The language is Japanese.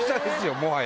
もはや。